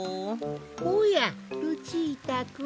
おやルチータくん。